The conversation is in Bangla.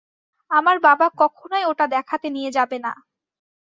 আমার বাবা কখনোই ওটা দেখাতে নিয়ে যাবে না।